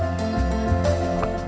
tergumesin dan tumbuhkan rakyat